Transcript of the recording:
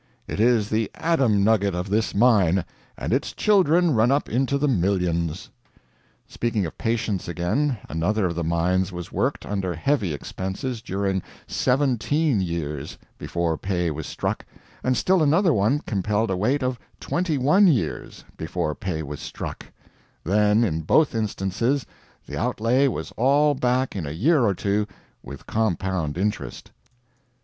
It is the Adam nugget of this mine, and its children run up into the millions." Speaking of patience again, another of the mines was worked, under heavy expenses, during 17 years before pay was struck, and still another one compelled a wait of 21 years before pay was struck; then, in both instances, the outlay was all back in a year or two, with compound interest.